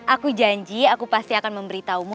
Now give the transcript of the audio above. aku janji aku pasti akan memberitahumu